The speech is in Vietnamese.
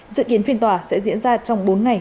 dự kiến phiên tòa sẽ diễn ra trong bốn ngày